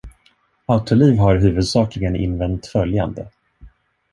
Autoliv har huvudsakligen invänt följande.